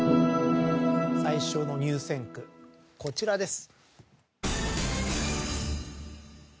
最初の入選句こちらです。